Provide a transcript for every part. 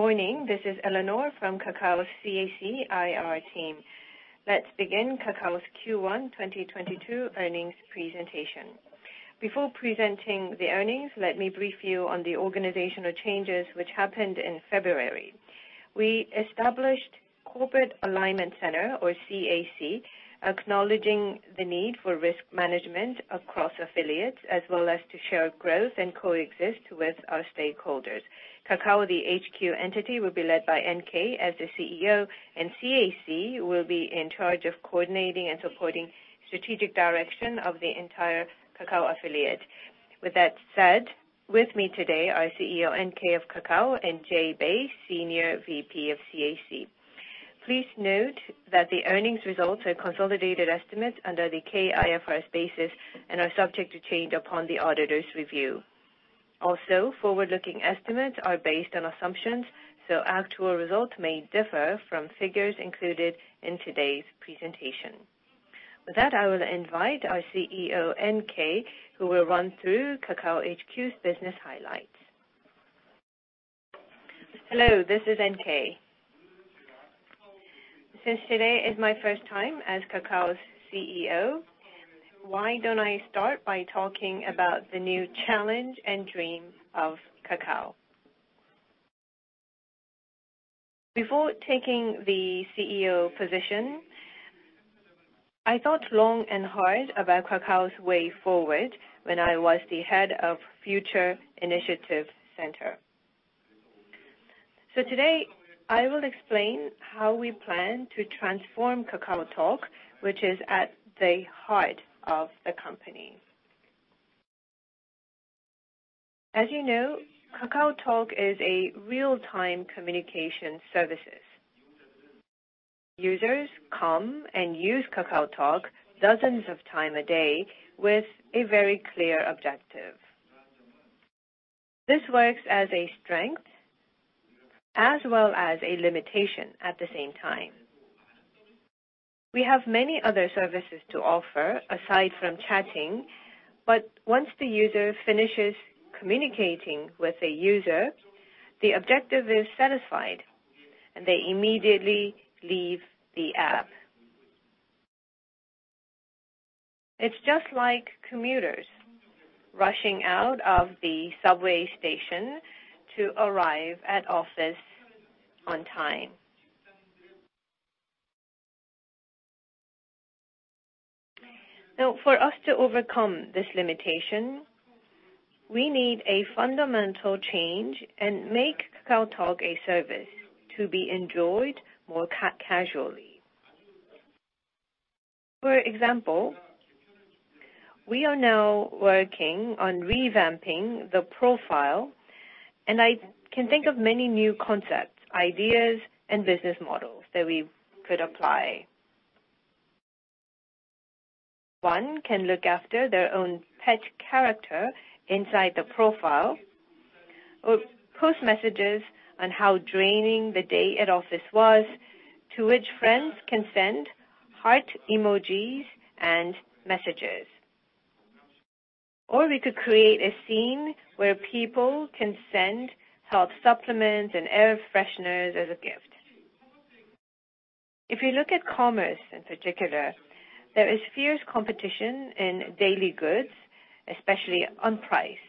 Morning. This is Eleanor from Kakao's CAC IR team. Let's begin Kakao's Q1 2022 earnings presentation. Before presenting the earnings, let me brief you on the organizational changes which happened in February. We established Corporate Alignment Center, or CAC, acknowledging the need for risk management across affiliates, as well as to share growth and coexist with our stakeholders. Kakao, the HQ entity, will be led by NK as the CEO, and CAC will be in charge of coordinating and supporting strategic direction of the entire Kakao affiliate. With that said, with me today are CEO NK of Kakao and Jay Bae, Senior VP of CAC. Please note that the earnings results are consolidated estimates under the KIFRS basis and are subject to change upon the auditor's review. Also, forward-looking estimates are based on assumptions, so actual results may differ from figures included in today's presentation. With that, I will invite our CEO, NK, who will run through Kakao HQ's business highlights. Hello, this is NK. Since today is my first time as Kakao's CEO, why don't I start by talking about the new challenge and dream of Kakao? Before taking the CEO position, I thought long and hard about Kakao's way forward when I was the head of Future Initiative Center. Today, I will explain how we plan to transform KakaoTalk, which is at the heart of the company. As you know, KakaoTalk is a real-time communication service. Users come and use KakaoTalk dozens of times a day with a very clear objective. This works as a strength as well as a limitation at the same time. We have many other services to offer aside from chatting, but once the user finishes communicating with a user, the objective is satisfied, and they immediately leave the app. It's just like commuters rushing out of the subway station to arrive at office on time. Now, for us to overcome this limitation, we need a fundamental change and make KakaoTalk a service to be enjoyed more casually. For example, we are now working on revamping the profile, and I can think of many new concepts, ideas, and business models that we could apply. One can look after their own pet character inside the profile or post messages on how draining the day at office was, to which friends can send heart emojis and messages. We could create a scene where people can send health supplements and air fresheners as a gift. If you look at commerce in particular, there is fierce competition in daily goods, especially on price,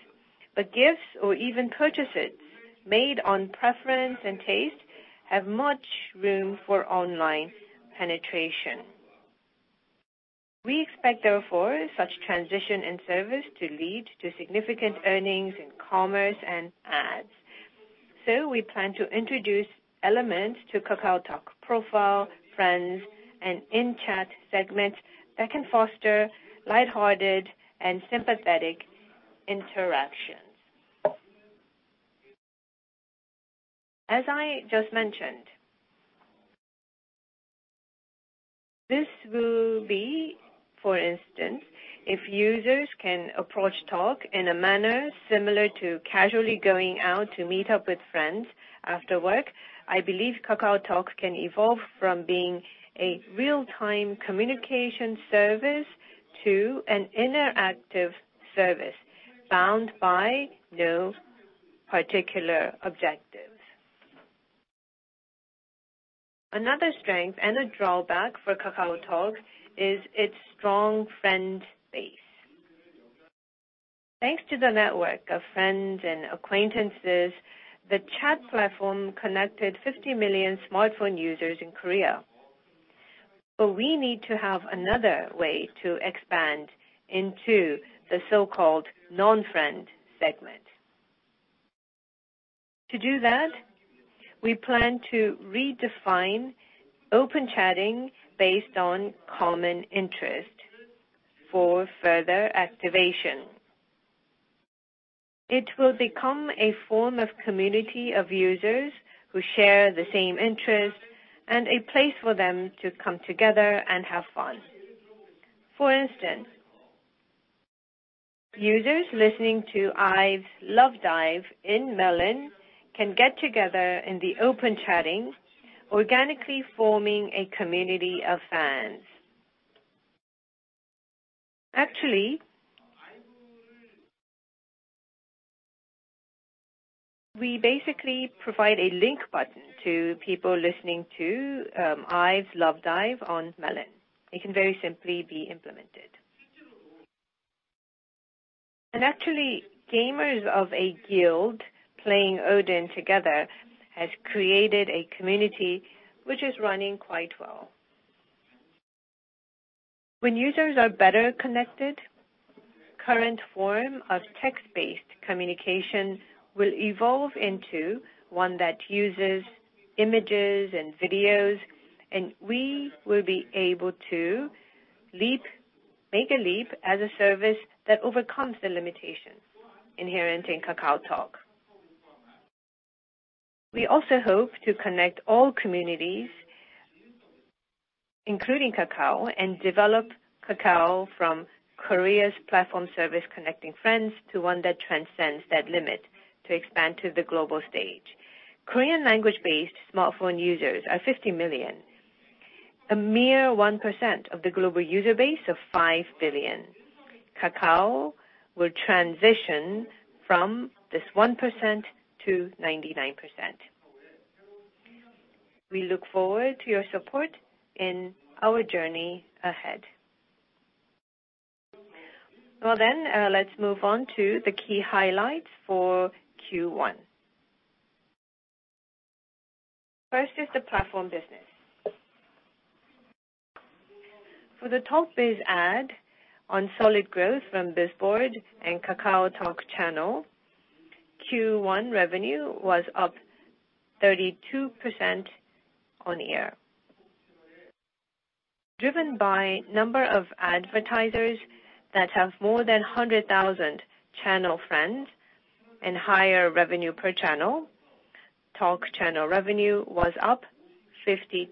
but gifts or even purchases made on preference and taste have much room for online penetration. We expect, therefore, such transition in service to lead to significant earnings in commerce and ads. We plan to introduce elements to KakaoTalk profile, trends, and in-chat segments that can foster lighthearted and sympathetic interactions. As I just mentioned, this will be, for instance, if users can approach Talk in a manner similar to casually going out to meet up with friends after work, I believe KakaoTalk can evolve from being a real-time communication service to an interactive service bound by no particular objectives. Another strength and a drawback for KakaoTalk is its strong friend base. Thanks to the network of friends and acquaintances, the chat platform connected 50 million smartphone users in Korea, but we need to have another way to expand into the so-called non-friend segment. To do that, we plan to redefine open chatting based on common interest for further activation. It will become a form of community of users who share the same interest and a place for them to come together and have fun. For instance, users listening to IVE-"LOVE DIVE" in Melon can get together in the open chatting, organically forming a community of fans. Actually, we basically provide a link button to people listening to IVE-"LOVE DIVE" on Melon. It can very simply be implemented. Actually, gamers of a guild playing Odin together has created a community which is running quite well. When users are better connected, current form of text-based communication will evolve into one that uses images and videos, and we will be able to make a leap as a service that overcomes the limitations inherent in KakaoTalk. We also hope to connect all communities, including Kakao, and develop Kakao from Korea's platform service connecting friends to one that transcends that limit to expand to the global stage. Korean language-based smartphone users are 50 million, a mere 1% of the global user base of 5 billion. Kakao will transition from this 1%-99%. We look forward to your support in our journey ahead. Well then, let's move on to the key highlights for Q1. First is the platform business. For the Talk Biz Ad on solid growth from Bizboard and KakaoTalk channel, Q1 revenue was up 32% on-year. Driven by number of advertisers that have more than 100,000 channel friends and higher revenue per channel, Talk channel revenue was up 52%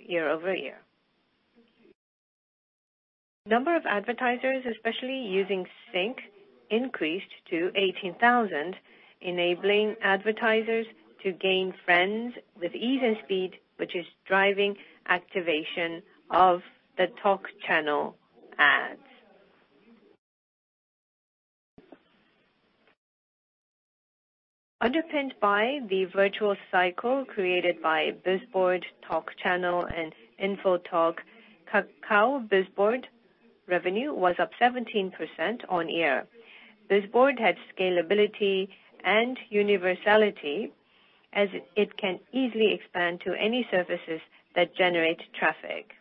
year-over-year. Number of advertisers, especially using Sync, increased to 18,000, enabling advertisers to gain friends with ease and speed, which is driving activation of the Talk channel ads. Underpinned by the virtual cycle created by Bizboard, Talk channel and Info Talk, Kakao Bizboard revenue was up 17% year-on-year. Bizboard had scalability and universality as it can easily expand to any services that generate traffic.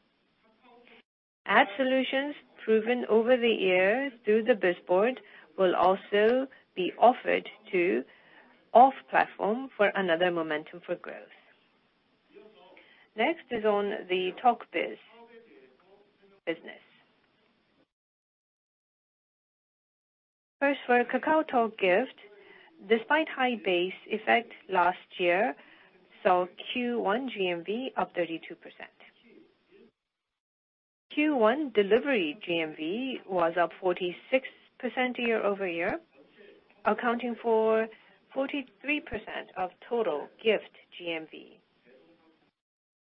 Ad solutions proven over the years through the Bizboard will also be offered to off-platform for another momentum for growth. Next is on the TalkBiz business. First, for KakaoTalk Gift, despite high base effect last year, saw Q1 GMV up 32%. Q1 delivery GMV was up 46% year-over-year, accounting for 43% of total gift GMV.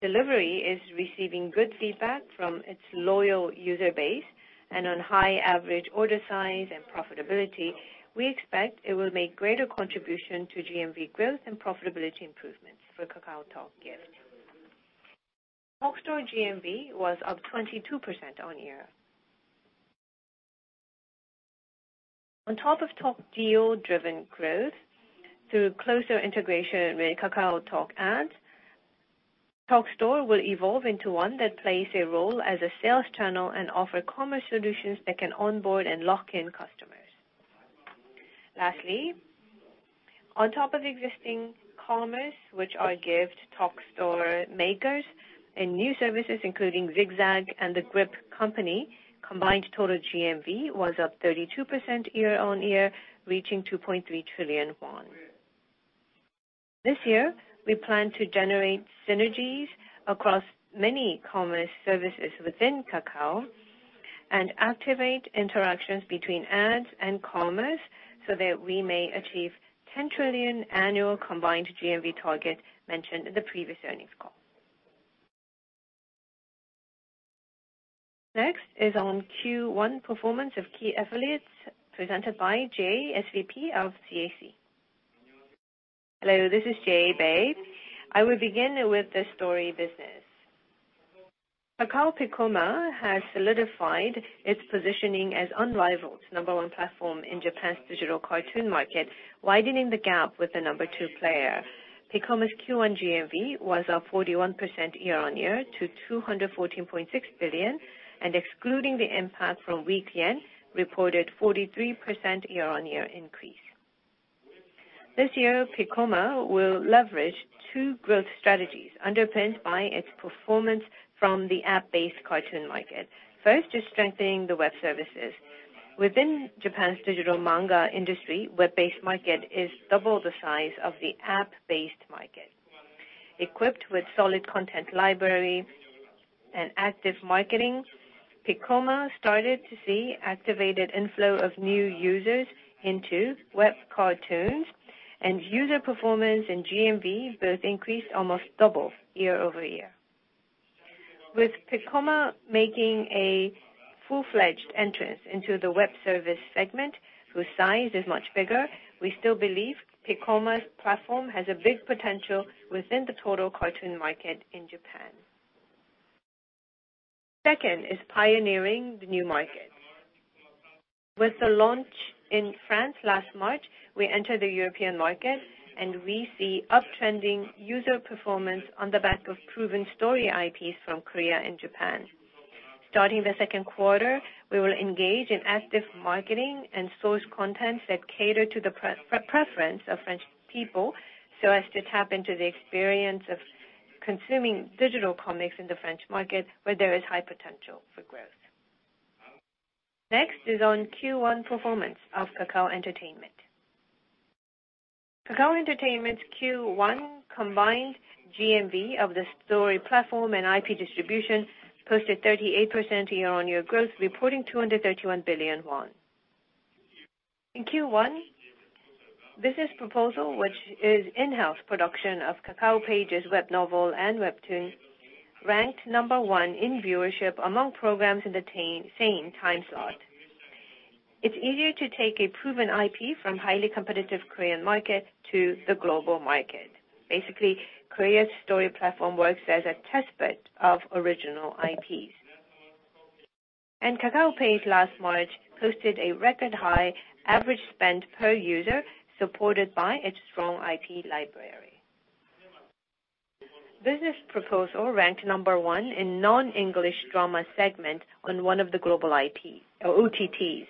Delivery is receiving good feedback from its loyal user base and on high average order size and profitability. We expect it will make greater contribution to GMV growth and profitability improvements for KakaoTalk Gift. Talk Store GMV was up 22% year-on-year. On top of Talk Deal driven growth through closer integration with KakaoTalk Ads, Talk Store will evolve into one that plays a role as a sales channel and offer commerce solutions that can onboard and lock in customers. Lastly, on top of existing commerce, which are Gift, Talk Store, Makers and new services including Zigzag and the Grip Company, combined total GMV was up 32% year-on-year, reaching 2.3 trillion won. This year, we plan to generate synergies across many commerce services within Kakao and activate interactions between ads and commerce so that we may achieve 10 trillion annual combined GMV target mentioned in the previous earnings call. Next is Q1 performance of key affiliates presented by Jay, SVP of CAC. Hello, this is Jay Bae. I will begin with the story business. Kakao Piccoma has solidified its positioning as unrivaled number one platform in Japan's digital cartoon market, widening the gap with the number two player. Piccoma's Q1 GMV was up 41% year-on-year to 214.6 billion, and excluding the impact from weak yen, reported 43% year-on-year increase. This year, Piccoma will leverage two growth strategies underpinned by its performance from the app-based cartoon market. First is strengthening the web services. Within Japan's digital manga industry, web-based market is double the size of the app-based market. Equipped with solid content library and active marketing, Piccoma started to see activated inflow of new users into web cartoons. User performance and GMV both increased almost double year-over-year. With Piccoma making a full-fledged entrance into the web service segment, whose size is much bigger, we still believe Piccoma's platform has a big potential within the total cartoon market in Japan. Second is pioneering the new market. With the launch in France last March, we entered the European market, and we see uptrending user performance on the back of proven story IPs from Korea and Japan. Starting the second quarter, we will engage in active marketing and source content that cater to the pre-preference of French people so as to tap into the experience of consuming digital comics in the French market where there is high potential for growth. Next is on Q1 performance of Kakao Entertainment. Kakao Entertainment's Q1 combined GMV of the story platform and IP distribution posted 38% year-on-year growth, reporting 231 billion won. In Q1, Business Proposal, which is in-house production of KakaoPage's web novel and webtoon, ranked number one in viewership among programs in the same time slot. It's easier to take a proven IP from highly competitive Korean market to the global market. Basically, Korea's story platform works as a test bed of original IPs. KakaoPage last March posted a record high average spend per user supported by its strong IP library. Business Proposal ranked number one in non-English drama segment on one of the global IP or OTTs.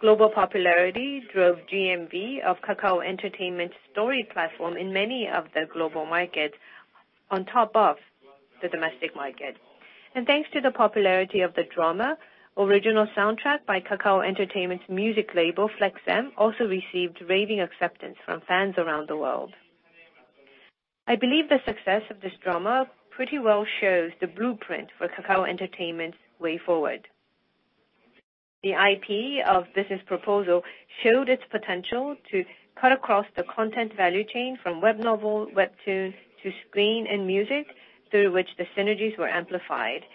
Global popularity drove GMV of Kakao Entertainment story platform in many of the global markets on top of the domestic market. Thanks to the popularity of the drama, original soundtrack by Kakao Entertainment music label, Flex M, also received raving acceptance from fans around the world. I believe the success of this drama pretty well shows the blueprint for Kakao Entertainment's way forward. The IP of Business Proposal showed its potential to cut across the content value chain from web novel, webtoon, to screen and music, through which the synergies were amplified.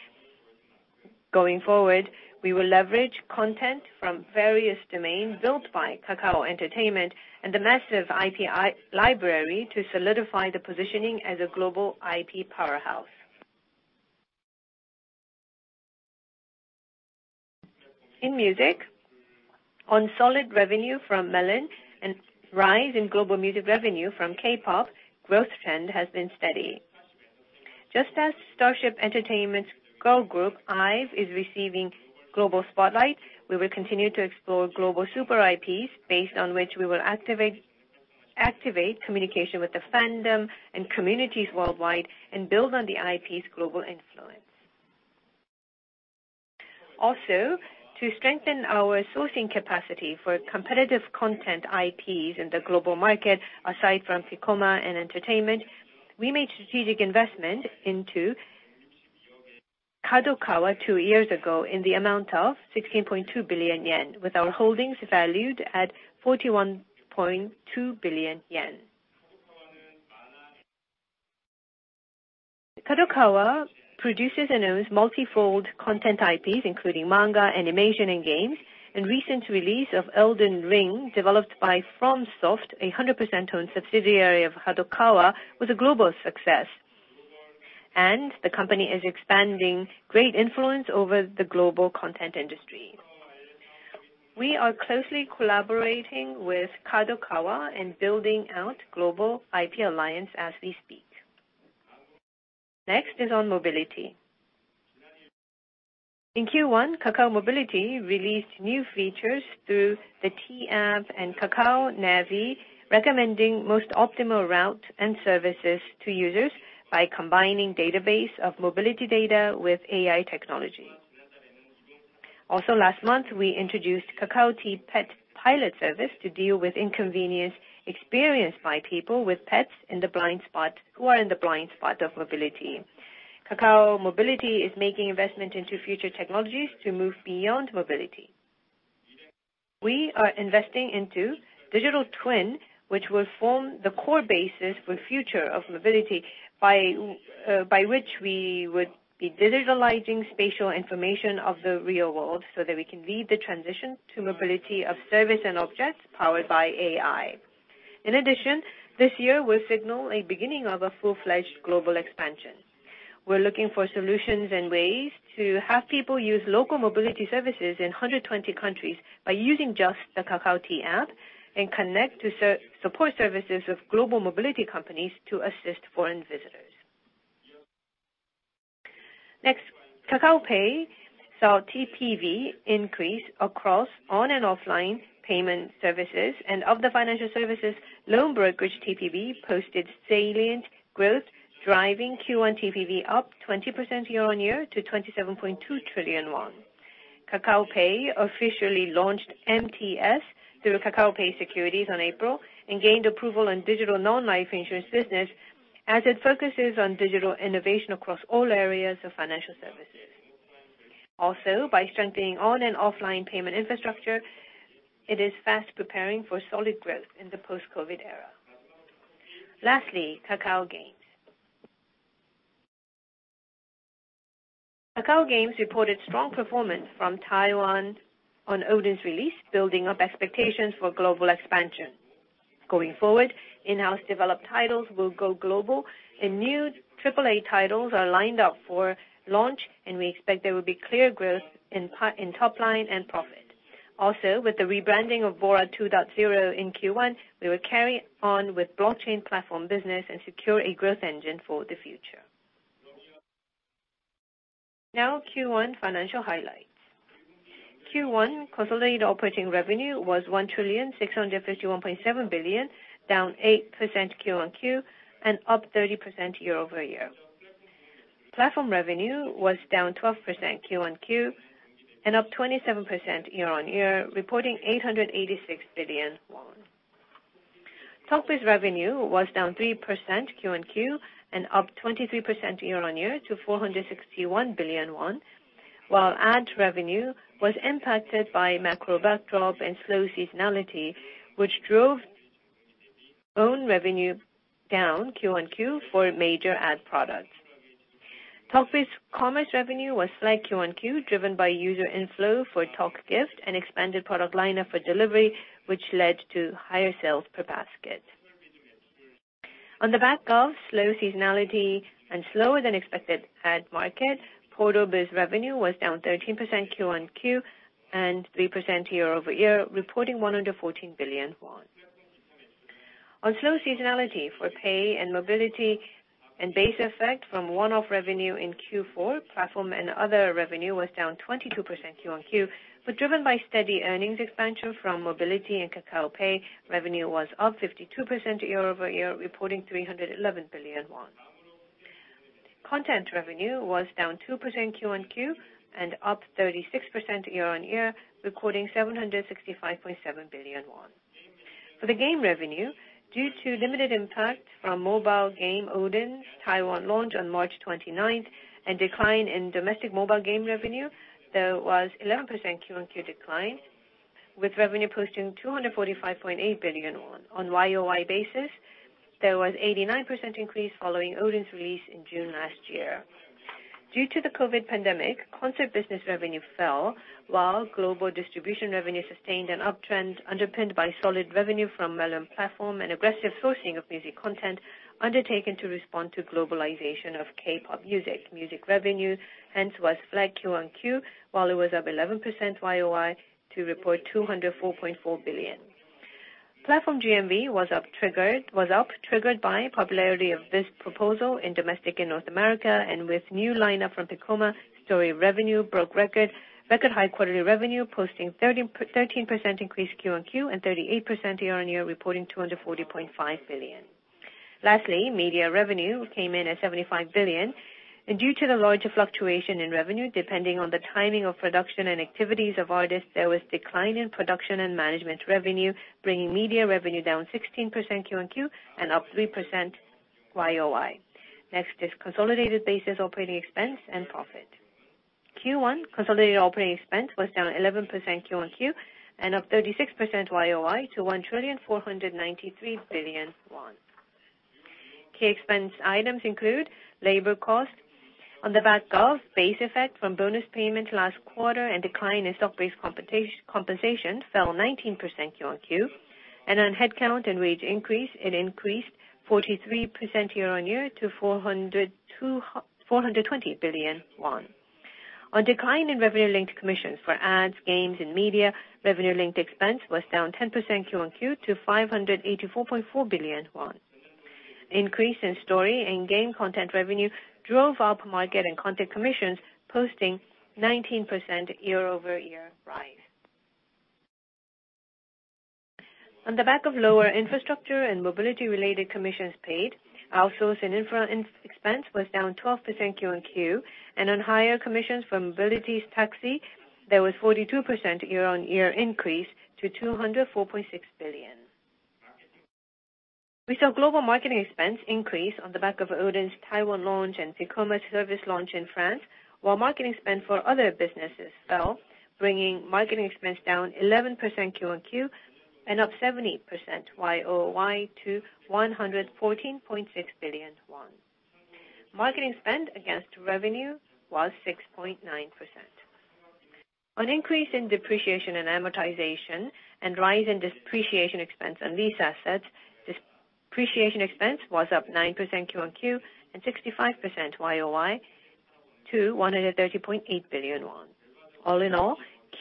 Going forward, we will leverage content from various domains built by Kakao Entertainment and the massive IP library to solidify the positioning as a global IP powerhouse. In music, on solid revenue from Melon and rise in global music revenue from K-pop, growth trend has been steady. Just as Starship Entertainment girl group IVE is receiving global spotlight, we will continue to explore global super IPs based on which we will activate communication with the fandom and communities worldwide and build on the IP's global influence. Also, to strengthen our sourcing capacity for competitive content IPs in the global market, aside from Piccoma and Entertainment, we made strategic investment into Kadokawa two years ago in the amount of 16.2 billion yen, with our holdings valued at 41.2 billion yen. Kadokawa produces and owns multi-fold content IPs, including manga, animation, and games, and recent release of Elden Ring, developed by FromSoftware, a 100% owned subsidiary of Kadokawa, was a global success. The company is expanding great influence over the global content industry. We are closely collaborating with Kadokawa in building out global IP alliance as we speak. Next is on mobility. In Q1, Kakao Mobility released new features through the Kakao T app and Kakao Navi, recommending most optimal route and services to users by combining database of mobility data with AI technology. Also last month, we introduced Kakao T Pet pilot service to deal with inconvenience experienced by people with pets in the blind spot, who are in the blind spot of mobility. Kakao Mobility is making investment into future technologies to move beyond mobility. We are investing into digital twin, which will form the core basis for future of mobility by which we would be digitalizing spatial information of the real world, so that we can lead the transition to mobility as a service and objects powered by AI. In addition, this year will signal a beginning of a full-fledged global expansion. We're looking for solutions and ways to have people use local mobility services in 120 countries by using just the Kakao T app and connect to support services of global mobility companies to assist foreign visitors. Next, Kakao Pay saw TPV increase across online and offline payment services, and of the financial services, loan brokerage TPV posted salient growth, driving Q1 TPV up 20% year-on-year to 27.2 trillion won. KakaoPay officially launched MTS through KakaoPay Securities on April and gained approval on digital non-life insurance business as it focuses on digital innovation across all areas of financial services. Also, by strengthening online and offline payment infrastructure, it is fast preparing for solid growth in the post-COVID era. Lastly, Kakao Games. Kakao Games reported strong performance from Taiwan on Odin's release, building up expectations for global expansion. Going forward, in-house developed titles will go global, and new Triple-A titles are lined up for launch, and we expect there will be clear growth in top line and profit. Also, with the rebranding of BORA 2.0 in Q1, we will carry on with blockchain platform business and secure a growth engine for the future. Now Q1 financial highlights. Q1 consolidated operating revenue was 1,651.7 billion, down 8% Q-on-Q and up 30% year-over-year. Platform revenue was down 12% Q-on-Q and up 27% year-over-year, reporting 886 billion won. TalkBiz revenue was down 3% Q-on-Q and up 23% year-over-year to 461 billion won, while ad revenue was impacted by macro backdrop and slow seasonality, which drove own revenue down Q-on-Q for major ad products. Talk Biz commerce revenue was flat Q-on-Q, driven by user inflow for Talk Gift and expanded product lineup for delivery, which led to higher sales per basket. On the back of slow seasonality and slower than expected ad market, Portal Biz revenue was down 13% Q-on-Q and 3% year-over-year, reporting 114 billion won. On slow seasonality for Pay and Mobility and base effect from one-off revenue in Q4, platform and other revenue was down 22% QoQ, but driven by steady earnings expansion from Mobility and Kakao Pay, revenue was up 52% year-over-year, reporting 311 billion won. Content revenue was down 2% QoQ and up 36% year-over-year, recording 765.7 billion won. For the game revenue, due to limited impact from mobile game Odin's Taiwan launch on March 29 and decline in domestic mobile game revenue, there was 11% QoQ decline, with revenue posting 245.8 billion. On YoY basis, there was 89% increase following Odin's release in June last year. Due to the COVID pandemic, concert business revenue fell, while global distribution revenue sustained an uptrend underpinned by solid revenue from Melon platform and aggressive sourcing of music content undertaken to respond to globalization of K-pop music. Music revenue, hence, was flat Q-on-Q, while it was up 11% YoY to report 204.4 billion. Platform GMV was up, triggered by popularity of Business Proposal in domestic and North America, and with new lineup from Piccoma, story revenue broke records, record high quarterly revenue, posting 13% increase Q-on-Q and 38% year-on-year, reporting 240.5 billion. Lastly, media revenue came in at 75 billion. Due to the larger fluctuation in revenue, depending on the timing of production and activities of artists, there was decline in production and management revenue, bringing media revenue down 16% QoQ and up 3% YoY. Next is consolidated basis operating expense and profit. Q1 consolidated operating expense was down 11% QoQ and up 36% YoY to 1,493 billion won. Key expense items include labor cost. On the back of base effect from bonus payment last quarter and decline in stock-based compensation fell 19% QoQ, and on headcount and wage increase, it increased 43% year-on-year to 420 billion won. On decline in revenue linked commission for ads, games, and media, revenue linked expense was down 10% QoQ to 584.4 billion won. Increase in story and game content revenue drove up market and content commissions, posting 19% year-over-year rise. On the back of lower infrastructure and mobility-related commissions paid, outsource and infra OpEx expense was down 12% Q-on-Q, and on higher commissions from mobility taxi, there was 42% year-over-year increase to 204.6 billion. We saw global marketing expense increase on the back of Odin's Taiwan launch and Piccoma's service launch in France, while marketing spend for other businesses fell, bringing marketing expense down 11% Q-on-Q and up 70% year-over-year to 114.6 billion won. Marketing spend against revenue was 6.9%. On increase in depreciation and amortization and rise in depreciation expense on lease assets, depreciation expense was up 9% Q-on-Q and 65% year-over-year to 130.8 billion won. All in all,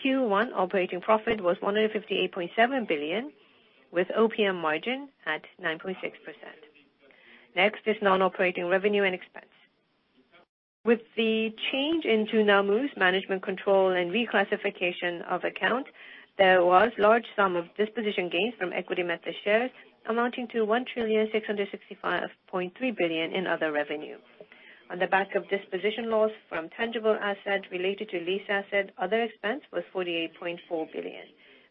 Q1 operating profit was 158.7 billion, with OPM margin at 9.6%. Next is non-operating revenue and expense. With the change in Dunamu's management control and reclassification of account, there was large sum of disposition gains from equity-method shares amounting to 1,665.3 billion in other revenue. On the back of disposition loss from tangible assets related to lease assets, other expense was 48.4 billion.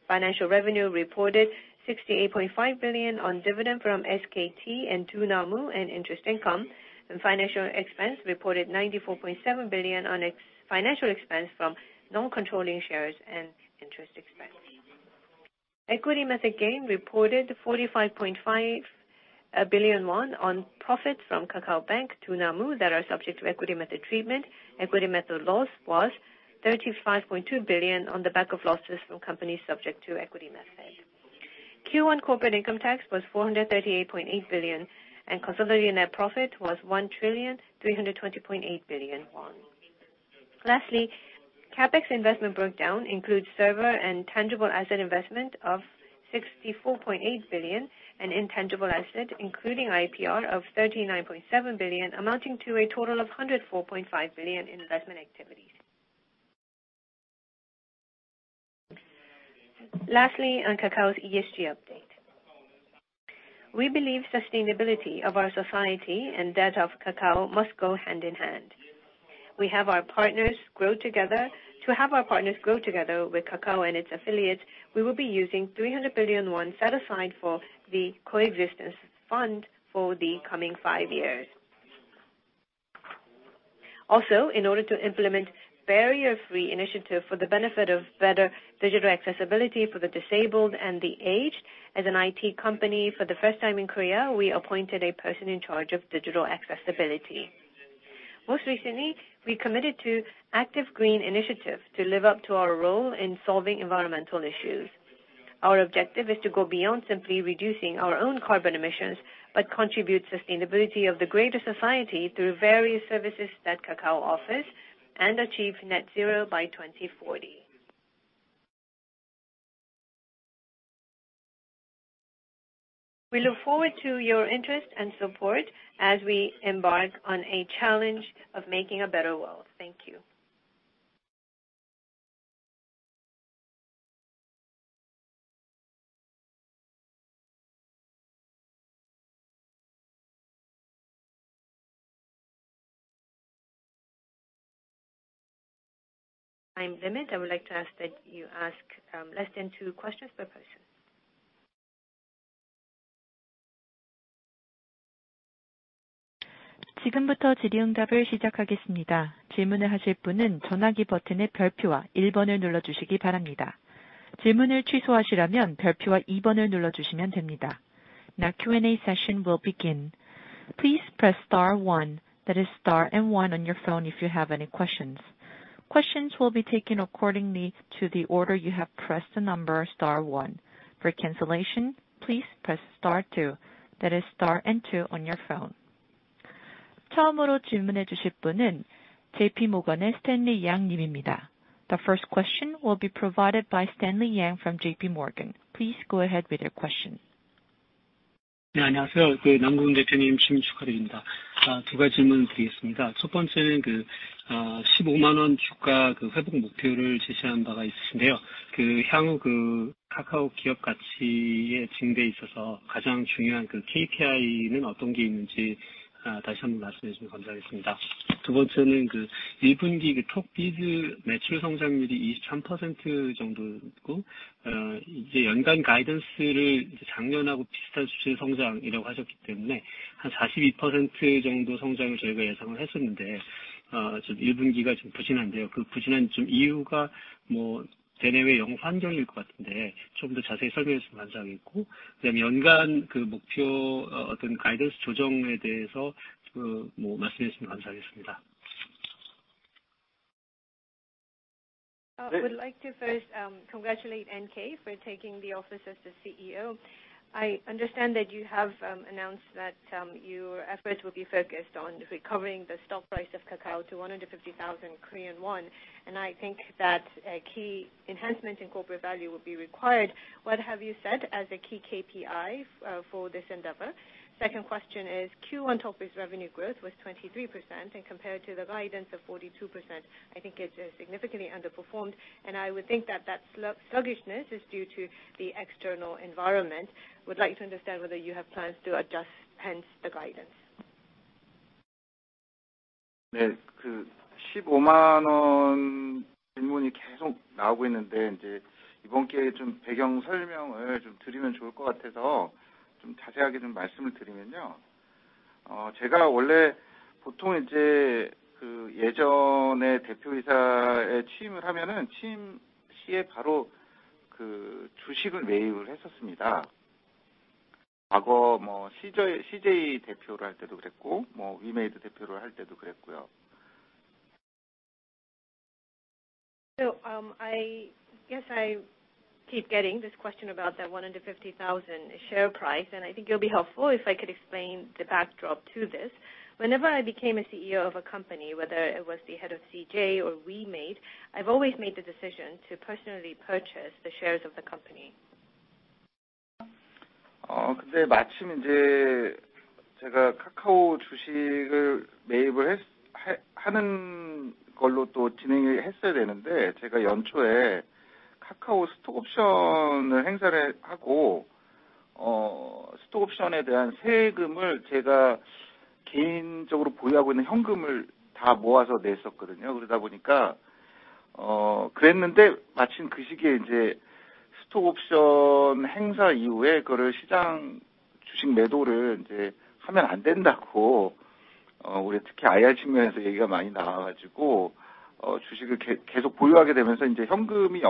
Financial revenue reported 68.5 billion on dividend from SKT and Dunamu and interest income. Financial expense reported 94.7 billion on extra-financial expense from non-controlling shares and interest expense. Equity method gain reported 45.5 billion won on profits from KakaoBank, Dunamu that are subject to equity method treatment. Equity method loss was 35.2 billion on the back of losses from companies subject to equity method. Q1 corporate income tax was 438.8 billion, and consolidated net profit was 1,320.8 billion won. Lastly, CapEx investment breakdown includes server and tangible asset investment of 64.8 billion and intangible asset, including IPR of 39.7 billion, amounting to a total of 104.5 billion in investment activities. Lastly, on Kakao's ESG update. We believe sustainability of our society and that of Kakao must go hand in hand. To have our partners grow together with Kakao and its affiliates, we will be using 300 billion won set aside for the coexistence fund for the coming five years. Also, in order to implement barrier-free initiative for the benefit of better digital accessibility for the disabled and the aged, as an IT company, for the first time in Korea, we appointed a person in charge of digital accessibility. Most recently, we committed to active green initiatives to live up to our role in solving environmental issues. Our objective is to go beyond simply reducing our own carbon emissions, but contribute sustainability of the greater society through various services that Kakao offers and achieve net zero by 2040. We look forward to your interest and support as we embark on a challenge of making a better world. Thank you. Time limit. I would like to ask that you ask, less than two questions per person. Now Q&A session will begin. Please press star one, that is star and one on your phone if you have any questions. Questions will be taken according to the order you have pressed the number star one. For cancellation, please press star two. That is star and two on your phone. The first question will be provided by Stanley Yang from J.P. Morgan. Please go ahead with your question. Would like to first congratulate Namkoong Whon for taking office as the CEO. I understand that you have announced that your efforts will be focused on recovering the stock price of Kakao to 150,000 Korean won, and I think that a key enhancement in corporate value will be required. What have you set as a key KPI for this endeavor? Second question is, Q1 topline revenue growth was 23%, and compared to the guidance of 42%, I think it significantly underperformed. I would think that that sluggishness is due to the external environment. Would like to understand whether you have plans to adjust hence the guidance. I guess I keep getting this question about that 150,000 share price, and I think it'll be helpful if I could explain the backdrop to this. Whenever I became a CEO of a company, whether it was the head of CJ or Wemade, I've always made the decision to personally purchase the shares of the company.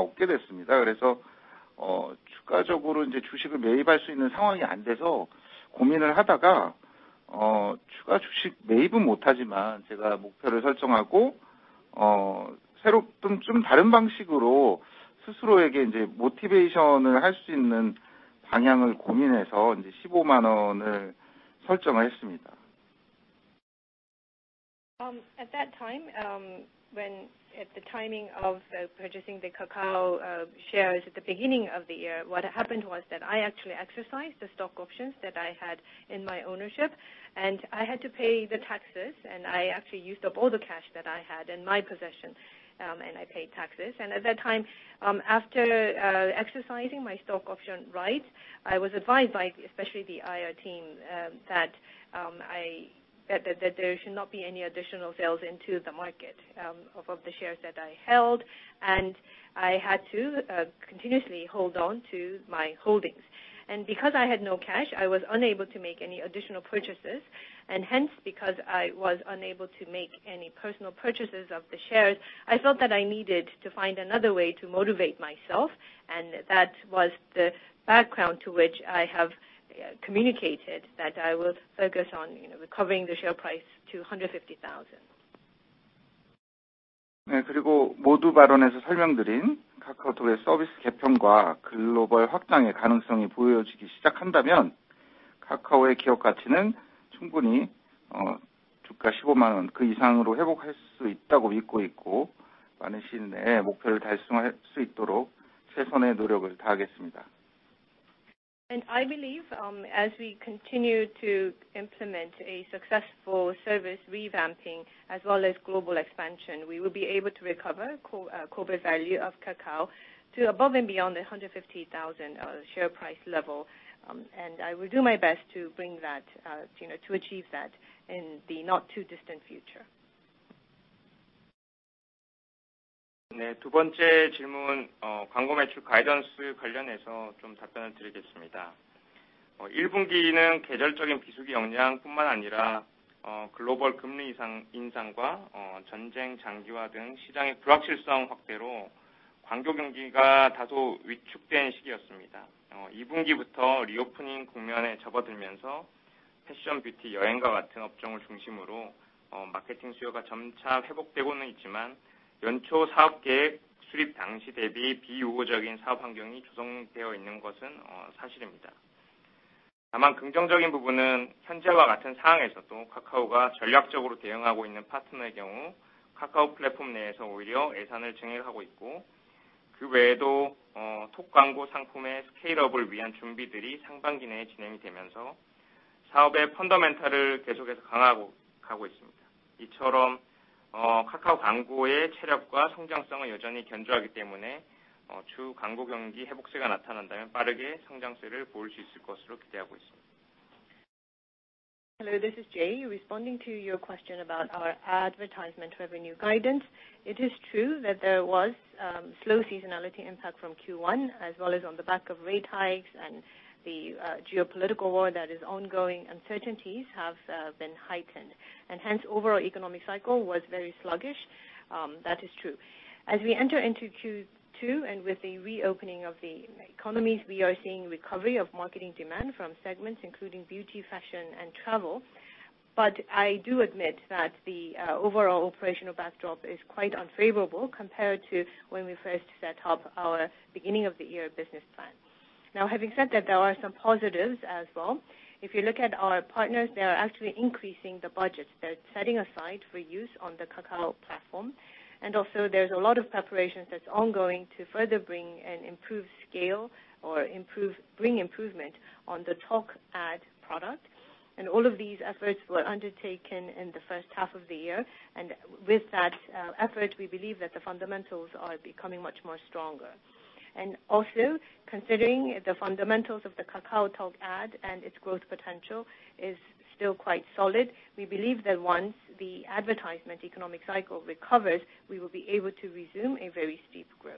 At that time, at the timing of purchasing the Kakao shares at the beginning of the year, what happened was that I actually exercised the stock options that I had in my ownership, and I had to pay the taxes, and I actually used up all the cash that I had in my possession, and I paid taxes. At that time, after exercising my stock option rights, I was advised by especially the IR team, that there should not be any additional sales into the market, of the shares that I held and I had to continuously hold on to my holdings. Because I had no cash, I was unable to make any additional purchases. Hence, because I was unable to make any personal purchases of the shares, I felt that I needed to find another way to motivate myself. That was the background to which I have communicated that I will focus on, you know, recovering the share price to KRW 150,000. I believe, as we continue to implement a successful service revamping as well as global expansion, we will be able to recover corporate value of Kakao to above and beyond the 150,000 share price level. I will do my best to bring that, you know, to achieve that in the not too distant future. Hello, this is Jay. Responding to your question about our advertisement revenue guidance. It is true that there was slow seasonality impact from Q1 as well as on the back of rate hikes and the geopolitical war that is ongoing, uncertainties have been heightened. Hence, overall economic cycle was very sluggish, that is true. As we enter into Q2 and with the reopening of the economies, we are seeing recovery of marketing demand from segments including beauty, fashion and travel. I do admit that the overall operational backdrop is quite unfavorable compared to when we first set up our beginning of the year business plan. Now, having said that, there are some positives as well. If you look at our partners, they are actually increasing the budgets they're setting aside for use on the Kakao platform. There's a lot of preparations that's ongoing to further bring an improved scale or bring improvement on the Talk Ad product. All of these efforts were undertaken in the first half of the year. With that effort, we believe that the fundamentals are becoming much more stronger. Considering the fundamentals of the KakaoTalk Ad and its growth potential is still quite solid, we believe that once the advertisement economic cycle recovers, we will be able to resume a very steep growth.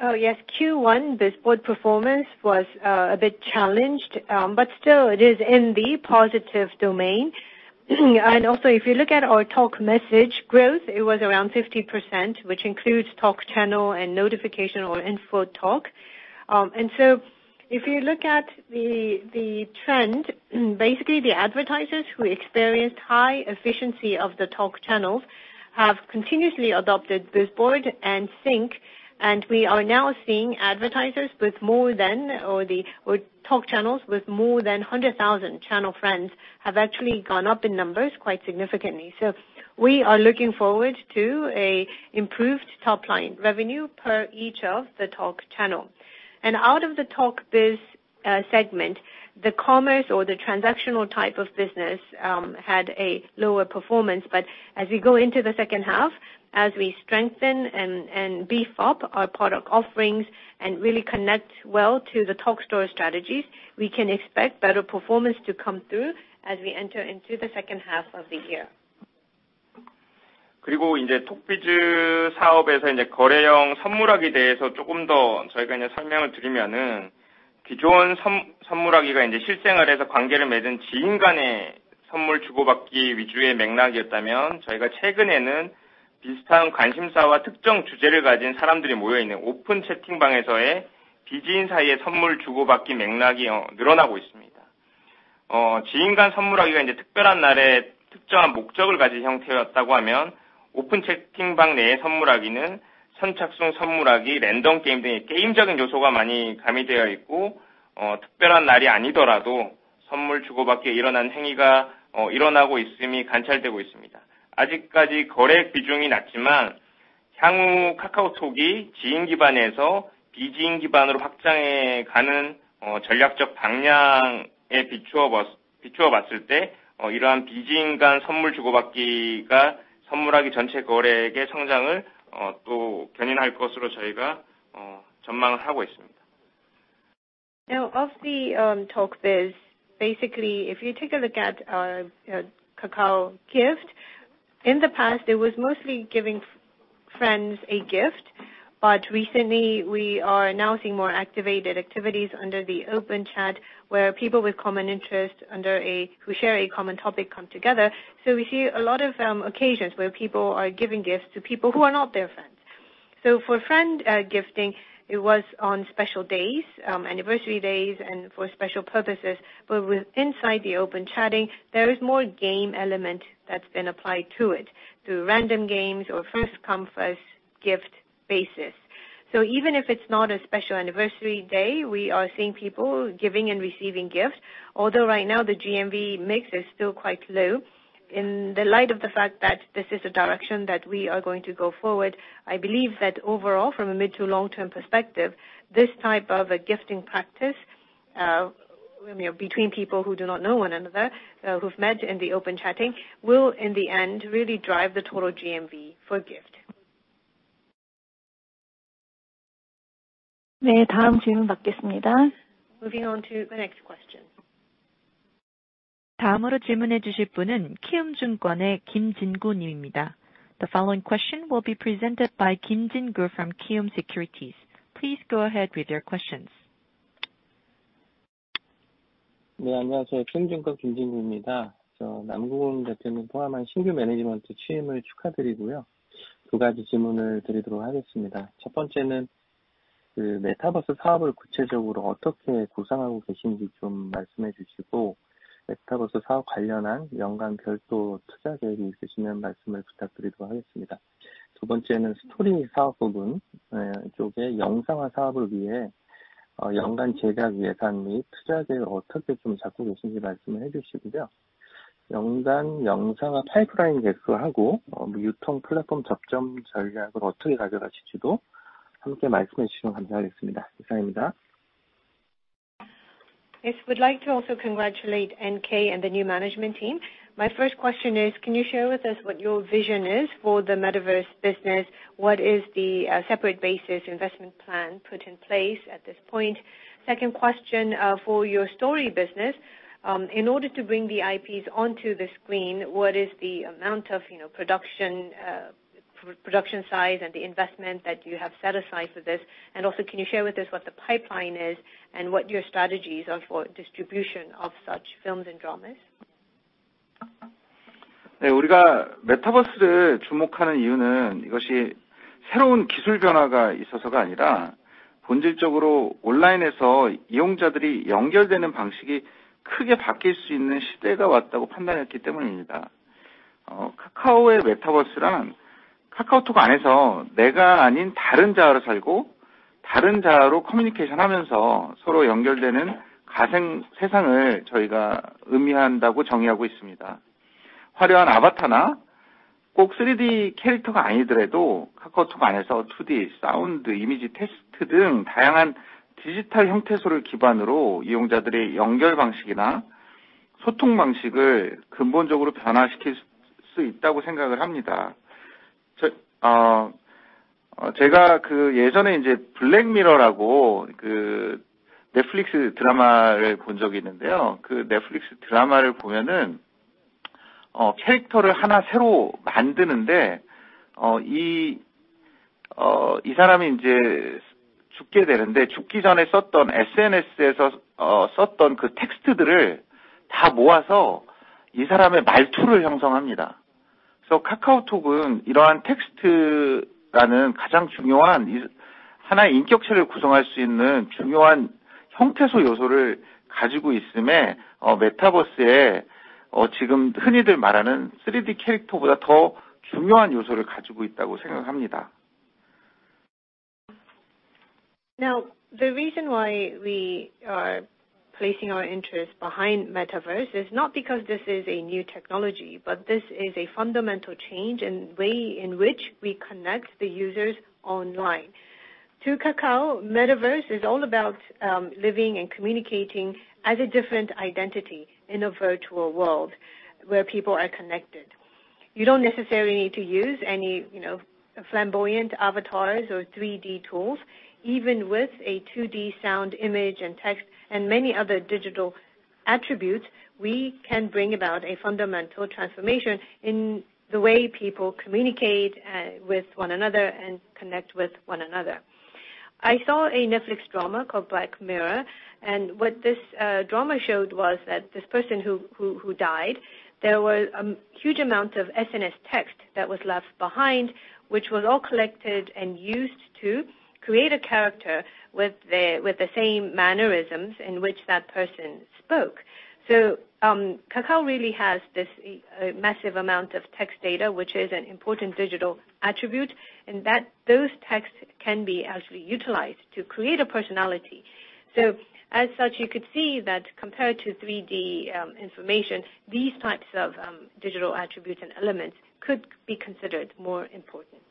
If you look at our Talk message growth, it was around 50%, which includes Talk channel and notification or Info Talk. If you look at the trend, basically the advertisers who experienced high efficiency of the Talk channels have continuously adopted Bizboard and Sync, and we are now seeing advertisers with Talk channels with more than 100,000 channel friends have actually gone up in numbers quite significantly. We are looking forward to an improved top-line revenue per each of the Talk channel. Out of the TalkBiz segment, the commerce or the transactional type of business had a lower performance. As we go into the second half, as we strengthen and beef up our product offerings and really connect well to the Talk Store strategies, we can expect better performance to come through as we enter into the second half of the year. Talk Biz 사업에서 거래형 선물하기에 대해서 조금 더 설명을 드리면, 기존 선물하기가 실생활에서 관계를 맺은 지인 간의 선물 주고받기 위주의 맥락이었다면, 저희가 최근에는 비슷한 관심사와 특정 주제를 가진 사람들이 모여 있는 오픈 채팅방에서의 비지인 사이에 선물 주고받기 맥락이 늘어나고 있습니다. 지인 간 선물하기가 특별한 날에 특정한 목적을 가진 형태였다고 하면, 오픈 채팅방 내의 선물하기는 선착순 선물하기, 랜덤 게임 등 게임적인 요소가 많이 가미되어 있고, 특별한 날이 아니더라도 선물 주고받기 행위가 일어나고 있음이 관찰되고 있습니다. 아직까지 거래 비중이 낮지만 향후 카카오톡이 지인 기반에서 비지인 기반으로 확장해 가는 전략적 방향에 비추어 봤을 때, 이러한 비지인 간 선물 주고받기가 선물하기 전체 거래액의 성장을 또 견인할 것으로 저희가 전망하고 있습니다. Now of the TalkBiz, basically, if you take a look at, you know, Kakao Gift, in the past, it was mostly giving friends a gift. Recently we are now seeing more activated activities under the open chat, where people with common interests who share a common topic come together. We see a lot of occasions where people are giving gifts to people who are not their friends. For friend gifting, it was on special days, anniversary days and for special purposes, but with inside the open chatting, there is more game element that's been applied to it, through random games or first come first gift basis. Even if it's not a special anniversary day, we are seeing people giving and receiving gifts. Although right now the GMV mix is still quite low, in the light of the fact that this is a direction that we are going to go forward, I believe that overall, from a mid to long-term perspective, this type of a gifting practice, you know, between people who do not know one another, who've met in the open chatting will, in the end, really drive the total GMV for gift. 네, 다음 질문 받겠습니다. Moving on to the next question. 다음으로 질문해 주실 분은 키움증권의 김진구 님입니다. The following question will be presented by Kim Jin-gu from Kiwoom Securities. Please go ahead with your questions. 네, 안녕하세요. 키움증권 김진구입니다. 저 남궁훈 대표님 포함한 신규 매니지먼트 취임을 축하드리고요. 두 가지 질문을 드리도록 하겠습니다. 첫 번째는 Metaverse 사업을 구체적으로 어떻게 구상하고 계신지 좀 말씀해 주시고, Metaverse 사업 관련한 연간 별도 투자 계획이 있으시면 말씀을 부탁드리도록 하겠습니다. 두 번째는 Story 사업 부분, 이쪽에 영상화 사업을 위해 연간 제작 예산 및 투자 계획 어떻게 좀 잡고 계신지 말씀을 해 주시고요. 연간 영상화 파이프라인 개수를 하고, 뭐 유통 플랫폼 접점 전략을 어떻게 가져가실지도 함께 말씀해 주시면 감사하겠습니다. 이상입니다. Yes. Would like to also congratulate Namkoong Whon and the new management team. My first question is can you share with us what your vision is for the Metaverse business? What is the separate basis investment plan put in place at this point? Second question, for your Story business, in order to bring the IPs onto the screen, what is the amount of, you know, production size and the investment that you have set aside for this? And also, can you share with us what the pipeline is and what your strategies are for distribution of such films and dramas? 우리가 Metaverse를 주목하는 이유는 이것이 새로운 기술 변화가 있어서가 아니라 본질적으로 온라인에서 이용자들이 연결되는 방식이 크게 바뀔 수 있는 시대가 왔다고 판단했기 때문입니다. 카카오의 Metaverse란 KakaoTalk 안에서 내가 아닌 다른 자아로 살고, 다른 자아로 커뮤니케이션하면서 서로 연결되는 가상 세상을 저희가 의미한다고 정의하고 있습니다. Now, the reason why we are placing our interest behind Metaverse is not because this is a new technology, but this is a fundamental change in way in which we connect the users online. To Kakao, Metaverse is all about living and communicating as a different identity in a virtual world where people are connected. You don't necessarily need to use any, you know, flamboyant avatars or 3D tools. Even with a 2D sound image and text and many other digital attributes, we can bring about a fundamental transformation in the way people communicate with one another and connect with one another. I saw a Netflix drama called Black Mirror, and what this drama showed was that this person who died, there was huge amount of SNS text that was left behind, which was all collected and used to create a character with the same mannerisms in which that person spoke. Kakao really has this massive amount of text data, which is an important digital attribute, and that those texts can be actually utilized to create a personality. As such, you could see that compared to 3D information, these types of digital attributes and elements could be considered more important.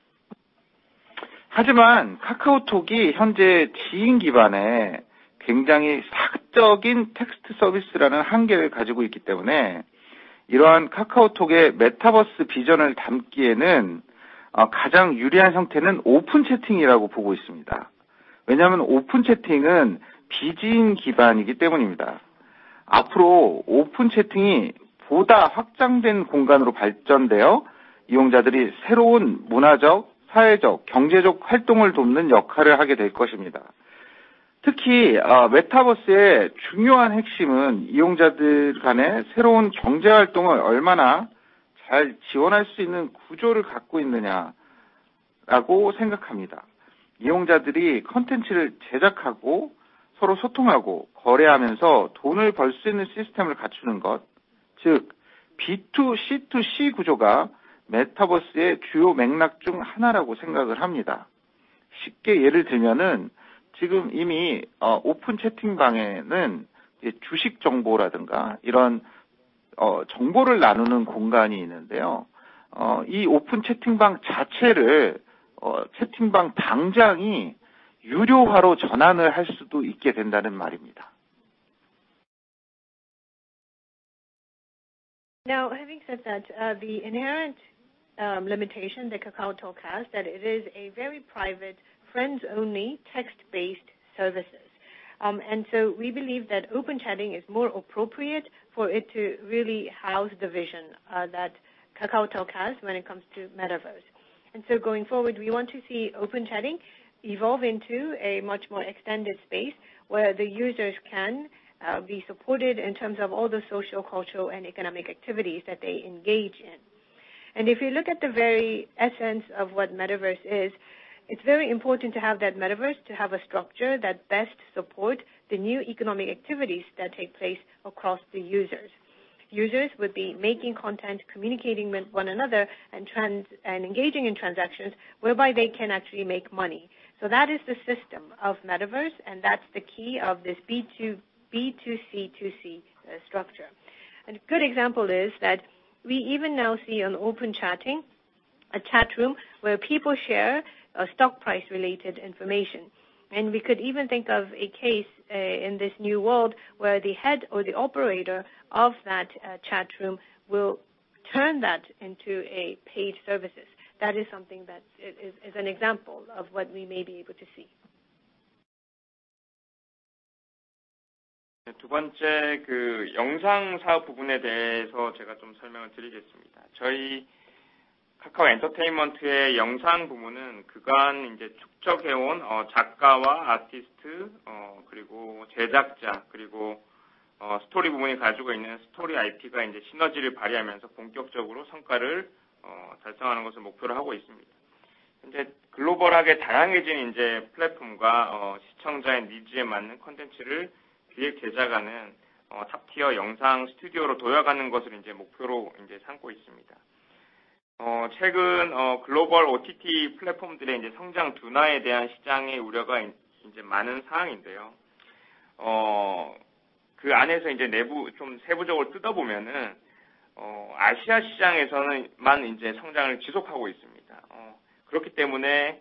Now, having said that, the inherent limitation that KakaoTalk has, that it is a very private friends-only text-based services. We believe that open chatting is more appropriate for it to really house the vision that KakaoTalk has when it comes to Metaverse. Going forward, we want to see open chatting evolve into a much more extended space where the users can be supported in terms of all the social, cultural and economic activities that they engage in. If you look at the very essence of what Metaverse is, it's very important to have that Metaverse to have a structure that best support the new economic activities that take place across the users. Users would be making content, communicating with one another, and engaging in transactions whereby they can actually make money. That is the system of Metaverse, and that's the key of this B2C2C structure. A good example is that we even now see on open chatting a chat room where people share stock price-related information. We could even think of a case in this new world where the head or the operator of that chat room will turn that into a paid services. That is something that is an example of what we may be able to see. Now, let me explain about the video business. Kakao Entertainment's video division aims to achieve results by synergizing with the writers, artists, producers, and Story IP that it has accumulated so far. We are aiming to become a top-tier video studio that creates content that meets the needs of a diverse global platform and viewers. 최근 글로벌 OTT 플랫폼들의 성장 둔화에 대한 시장의 우려가 많은 상황인데요. 그 안에서 내부 세부적으로 뜯어보면 아시아 시장에서만 성장을 지속하고 있습니다. 그렇기 때문에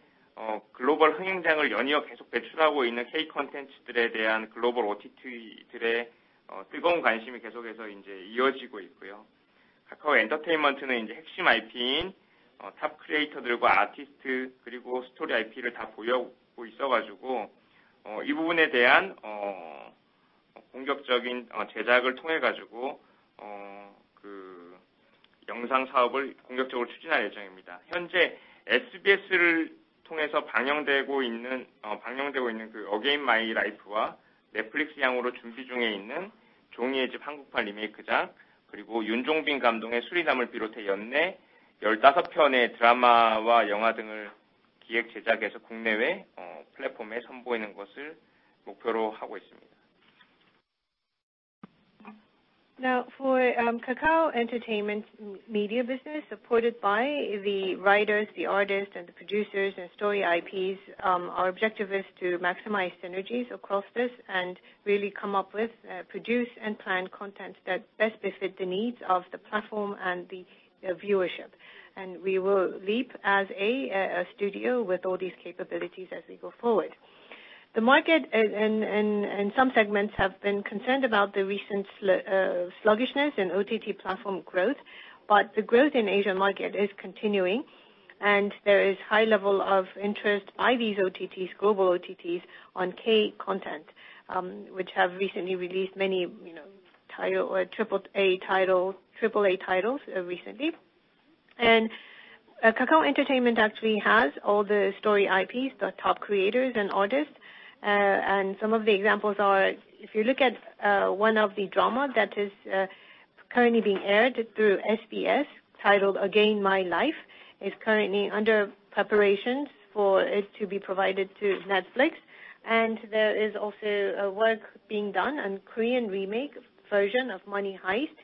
글로벌 흥행작을 연이어 계속 배출하고 있는 K-콘텐츠들에 대한 글로벌 OTT들의 뜨거운 관심이 계속해서 이어지고 있고요. 카카오엔터테인먼트는 핵심 IP인 탑 크리에이터들과 아티스트, 그리고 스토리 IP를 다 보유하고 있어, 이 부분에 대한 공격적인 제작을 통해 영상 사업을 공격적으로 추진할 예정입니다. 현재 SBS를 통해서 방영되고 있는 어게인 마이 라이프와 넷플릭스향으로 준비 중에 있는 종이의 집 한국판 리메이크작, 그리고 윤종빈 감독의 수리남을 비롯해 연내 열다섯 편의 드라마와 영화 등을 기획 제작해서 국내외 플랫폼에 선보이는 것을 목표로 하고 있습니다. Now, for Kakao Entertainment media business supported by the writers, the artists and the producers and story IPs, our objective is to maximize synergies across this and really come up with produce and plan content that best befit the needs of the platform and the viewership. We will leap as a studio with all these capabilities as we go forward. The market and some segments have been concerned about the recent sluggishness in OTT platform growth. The growth in Asian market is continuing, and there is high level of interest by these OTTs, global OTTs on K-content, which have recently released many, you know, Triple-A titles recently. Kakao Entertainment actually has all the story IPs, the top creators and artists. Some of the examples are, if you look at, one of the drama that is, currently being aired through SBS titled Again My Life, is currently under preparations for it to be provided to Netflix. There is also, work being done on Korean remake version of Money Heist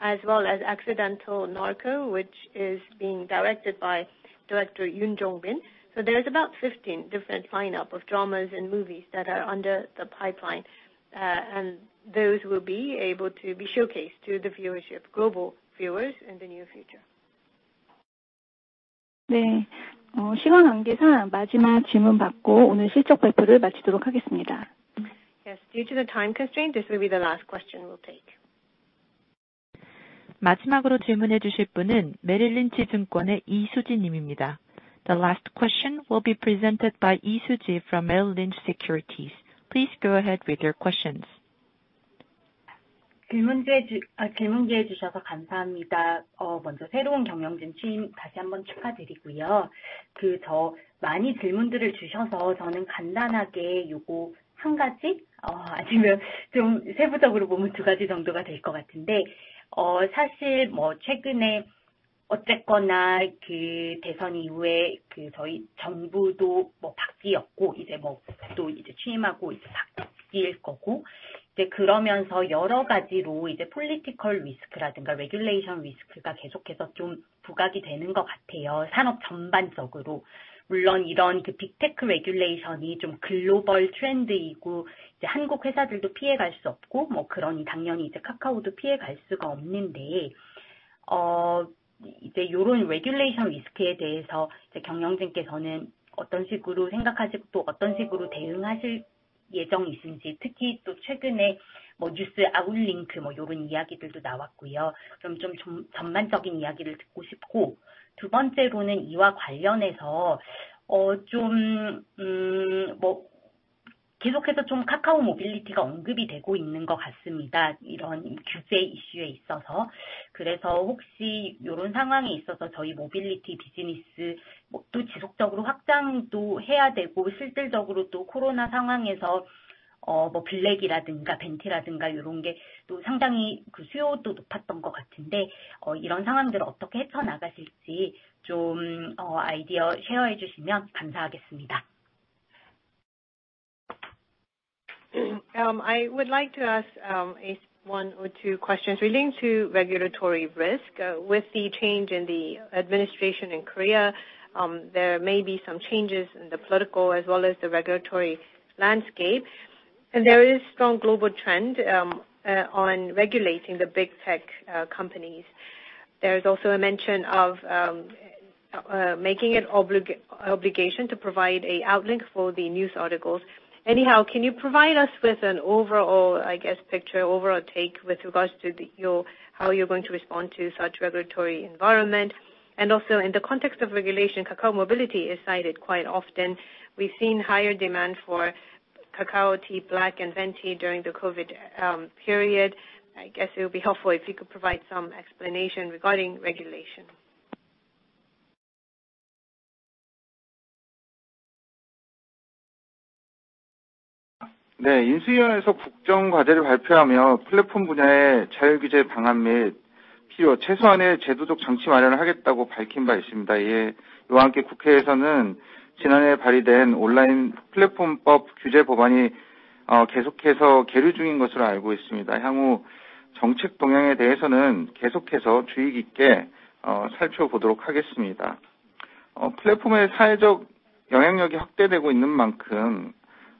as well as Accidental Narco, which is being directed by director Yoon Jong-bin. There's about 15 different lineup of dramas and movies that are under the pipeline. Those will be able to be showcased to the viewership, global viewers in the near future. 네, 시간 관계상 마지막 질문 받고 오늘 실적 발표를 마치도록 하겠습니다. Yes, due to the time constraint, this will be the last question we'll take. 마지막으로 질문해 주실 분은 메릴린치 증권의 이수진 님입니다. The last question will be presented by Lee Soo-jin from Merrill Lynch Securities. Please go ahead with your questions. 질문 기회 주셔서 감사합니다. 먼저 새로운 경영진 취임 다시 한번 축하드리고요. 많이 질문들을 주셔서 저는 간단하게 요거 한 가지, 아니면 좀 세부적으로 보면 두 가지 정도가 될것 같은데. 사실 뭐 최근에 어쨌거나 그 대선 이후에 저희 정부도 뭐 바뀌었고 이제 뭐또 취임하고 바뀔 거고, 그러면서 여러 가지로 Political Risk라든가 Regulation Risk가 계속해서 좀 부각이 되는 것 같아요, 산업 전반적으로. 물론 이런 빅테크 Regulation이 좀 글로벌 트렌드이고 한국 회사들도 피해갈 수 없고, 당연히 카카오도 피해갈 수가 없는데. 이제 요런 Regulation Risk에 대해서 경영진께서는 어떤 식으로 생각하시고 또 어떤 식으로 대응하실 예정이신지, 특히 최근에 뭐 뉴스 아웃링크 요런 이야기들도 나왔고요. 좀 전반적인 이야기를 듣고 싶고, 두 번째로는 이와 관련해서 카카오 모빌리티가 계속해서 언급이 되고 있는 것 같습니다, 이런 규제 이슈에 있어서. 이런 상황에 있어서 저희 모빌리티 비즈니스 뭐또 지속적으로 확장도 해야 되고, 실질적으로 또 코로나 상황에서 블랙이라든가 Venti라든가 요런 게또 상당히 그 수요도 높았던 것 같은데, 이런 상황들을 어떻게 헤쳐나가실지 좀 아이디어 셰어해 주시면 감사하겠습니다. I would like to ask one or two questions relating to regulatory risk. With the change in the administration in Korea, there may be some changes in the political as well as the regulatory landscape. There is strong global trend on regulating the big tech companies. There is also a mention of making it obligation to provide a outlink for the news articles. Anyhow, can you provide us with an overall picture, overall take with regards to how you're going to respond to such regulatory environment? Also in the context of regulation, Kakao Mobility is cited quite often. We've seen higher demand for Kakao T Black and Venti during the COVID period. I guess it would be helpful if you could provide some explanation regarding regulation. 인수위원회에서 국정 과제를 발표하며 플랫폼 분야의 자율규제 방안 및 필요 최소한의 제도적 장치 마련을 하겠다고 밝힌 바 있습니다. 이와 함께 국회에서는 지난해 발의된 온라인 플랫폼법 규제 법안이 계속해서 계류 중인 것으로 알고 있습니다. 향후 정책 동향에 대해서는 계속해서 주의 깊게 살펴보도록 하겠습니다. 플랫폼의 사회적 영향력이 확대되고 있는 만큼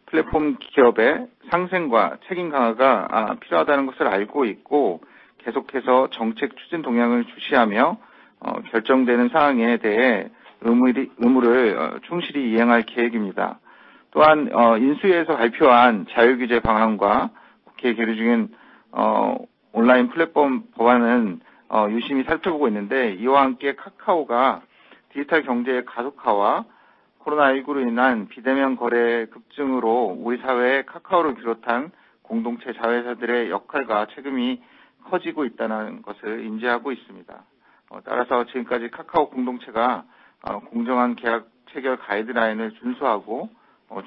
플랫폼 기업의 상생과 책임 강화가 필요하다는 것을 알고 있고, 계속해서 정책 추진 동향을 주시하며 결정되는 사항에 대해 의무를 충실히 이행할 계획입니다. 또한 인수위에서 발표한 자율규제 방안과 국회에 계류 중인 온라인 플랫폼 법안은 유심히 살펴보고 있는데, 이와 함께 카카오가 디지털 경제의 가속화와 코로나19로 인한 비대면 거래의 급증으로 우리 사회에 카카오를 비롯한 공동체 자회사들의 역할과 책임이 커지고 있다는 것을 인지하고 있습니다. 따라서 지금까지 카카오 공동체가 공정한 계약 체결 가이드라인을 준수하고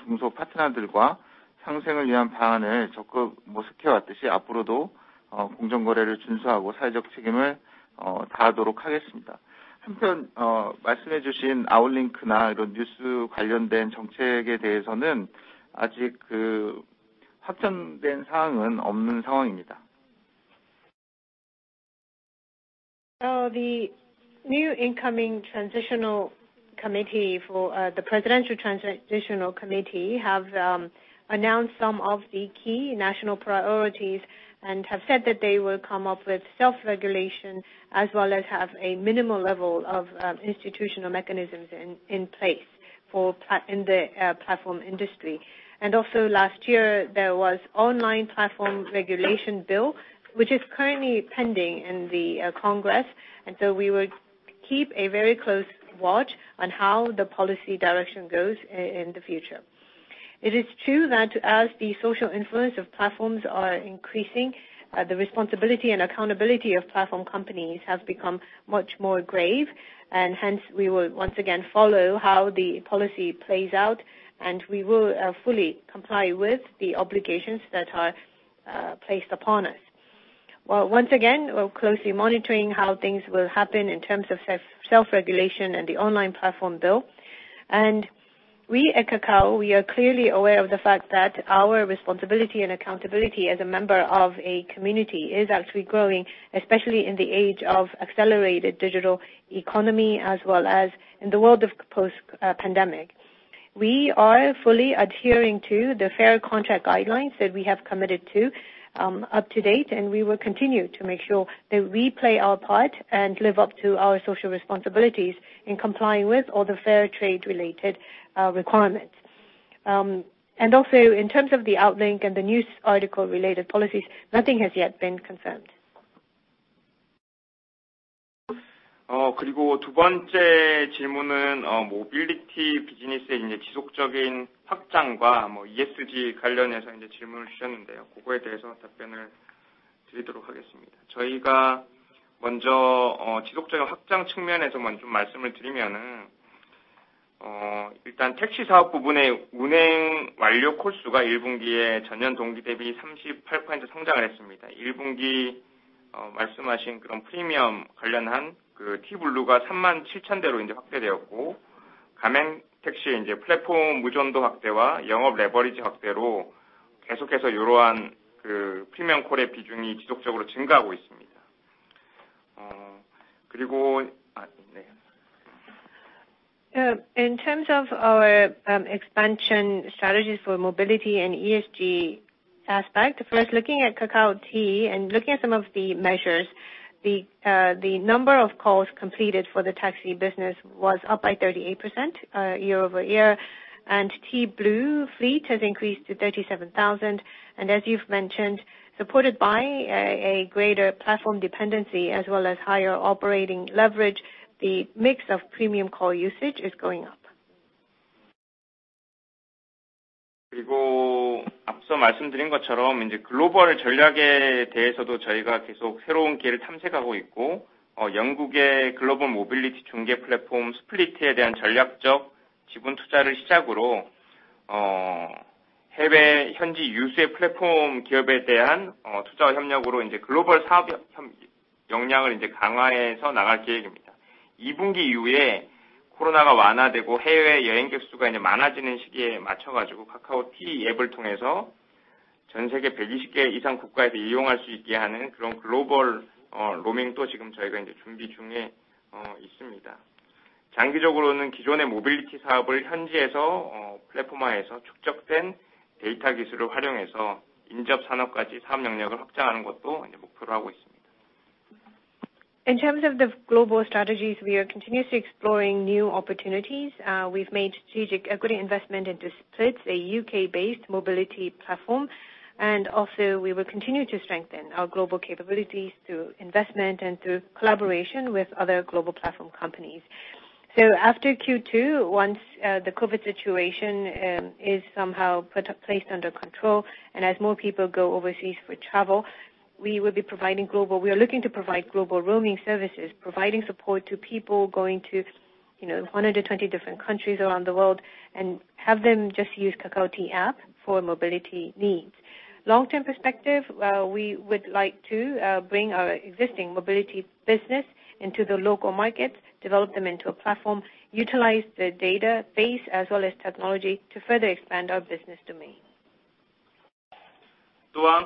중소 파트너들과 상생을 위한 방안을 적극 모색해 왔듯이, 앞으로도 공정거래를 준수하고 사회적 책임을 다하도록 하겠습니다. 한편, 말씀해 주신 아웃링크나 이런 뉴스 관련된 정책에 대해서는 아직 확정된 사항은 없는 상황입니다. The new incoming transitional committee for the presidential transitional committee have announced some of the key national priorities and have said that they will come up with self-regulation as well as have a minimal level of institutional mechanisms in place for the platform industry. Also last year, there was Online Platform Regulation Bill, which is currently pending in the National Assembly, and so we will keep a very close watch on how the policy direction goes in the future. It is true that as the social influence of platforms are increasing, the responsibility and accountability of platform companies have become much more grave. Hence, we will once again follow how the policy plays out, and we will fully comply with the obligations that are placed upon us. Well, once again, we're closely monitoring how things will happen in terms of self-regulation and the Online Platform Bill. We at Kakao, we are clearly aware of the fact that our responsibility and accountability as a member of a community is actually growing, especially in the age of accelerated digital economy, as well as in the world of post-pandemic. We are fully adhering to the fair contract guidelines that we have committed to up to date, and we will continue to make sure that we play our part and live up to our social responsibilities in complying with all the fair trade related requirements. Also in terms of the outlink and the news article-related policies, nothing has yet been confirmed. 두 번째 질문은 모빌리티 비즈니스의 지속적인 확장과 ESG 관련해서 질문을 주셨는데요. 그거에 대해서 답변을 드리도록 하겠습니다. 저희가 먼저 지속적인 확장 측면에서 말씀을 드리면은, 일단 택시 사업 부분의 운행 완료 콜 수가 1Q에 전년 동기 대비 38% 성장을 했습니다. 1Q에 말씀하신 그런 프리미엄 관련한 T 블루가 three만 7천 대로 확대되었고, 가맹 택시에 플랫폼 의존도 확대와 영업 레버리지 확대로 계속해서 이러한 프리미엄 콜의 비중이 지속적으로 증가하고 있습니다. In terms of our expansion strategies for mobility and ESG aspect, first looking at Kakao T and looking at some of the measures, the number of calls completed for the taxi business was up by 38%, year-over-year, and T Blue fleet has increased to 37,000. As you've mentioned, supported by a greater platform dependency as well as higher operating leverage, the mix of premium call usage is going up. 앞서 말씀드린 것처럼 글로벌 전략에 대해서도 저희가 계속 새로운 기회를 탐색하고 있고, 영국의 글로벌 모빌리티 중개 플랫폼 Splyt에 대한 전략적 지분 투자를 시작으로 해외 현지 유수의 플랫폼 기업에 대한 투자와 협력으로 글로벌 사업 협력 역량을 강화해서 나갈 계획입니다. 이번 분기 이후에 코로나가 완화되고 해외여행객 수가 많아지는 시기에 맞춰가지고 카카오T 앱을 통해서 전세계 120개 이상 국가에서 이용할 수 있게 하는 글로벌 로밍도 지금 저희가 준비 중에 있습니다. 장기적으로는 기존의 모빌리티 사업을 현지에서 플랫폼화해서 축적된 데이터 기술을 활용해서 인접 산업까지 사업 영역을 확장하는 것도 목표로 하고 있습니다. In terms of the global strategies, we are continuously exploring new opportunities. We've made strategic equity investment into Splyt, a UK-based mobility platform. We will continue to strengthen our global capabilities through investment and through collaboration with other global platform companies. After Q2, once the COVID situation is somehow placed under control, and as more people go overseas for travel, we will be providing global roaming services, providing support to people going to, you know, one of the 20 different countries around the world and have them just use Kakao T app for mobility needs. Long-term perspective, we would like to bring our existing mobility business into the local markets, develop them into a platform, utilize the database as well as technology to further expand our business domain.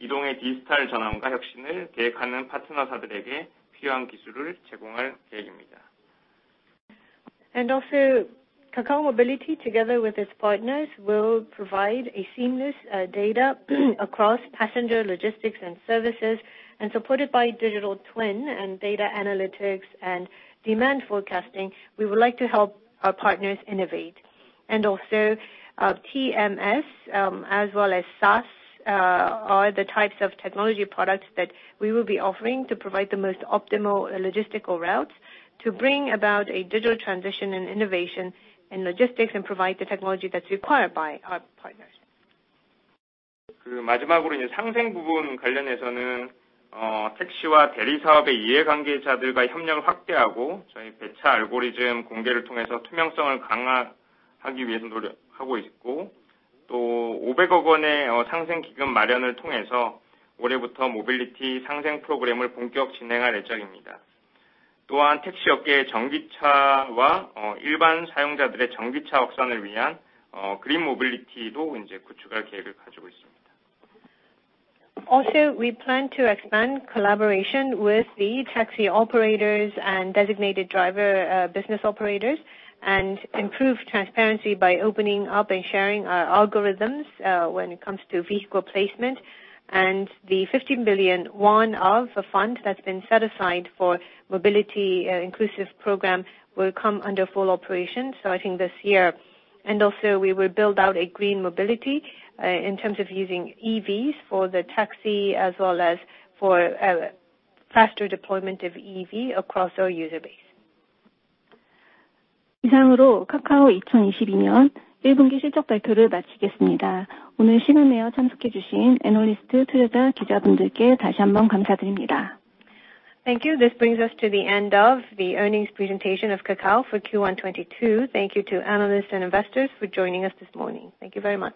Kakao Mobility, together with its partners, will provide a seamless data across passenger logistics and services and supported by digital twin and data analytics and demand forecasting. We would like to help our partners innovate. TMS, as well as SaaS, are the types of technology products that we will be offering to provide the most optimal logistical routes to bring about a digital transition and innovation in logistics and provide the technology that's required by our partners. Also, we plan to expand collaboration with the taxi operators and designated driver business operators and improve transparency by opening up and sharing our algorithms when it comes to vehicle placement. The 50 billion won of the fund that's been set aside for mobility inclusive program will come under full operation, so I think this year. We will build out a green mobility in terms of using EVs for the taxi as well as for faster deployment of EV across our user base. Thank you. This brings us to the end of the earnings presentation of Kakao for Q1 2022. Thank you to analysts and investors for joining us this morning. Thank you very much.